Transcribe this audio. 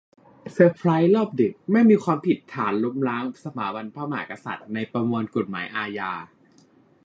เซอร์ไพรส์รอบดึก ! ไม่มีความผิดฐานล้มล้างสถาบันพระมหากษัตริย์ในประมวลกฎหมายอาญา